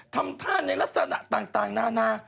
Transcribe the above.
ทำท่าในลักษณะต่างนานา